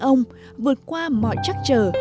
ông vượt qua mọi chắc trở